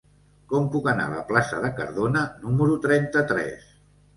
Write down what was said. Com puc anar a la plaça de Cardona número trenta-tres?